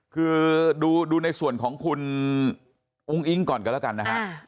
คือดูในส่วนของคุณอุ้งอิ๊งก่อนกันแล้วกันนะฮะ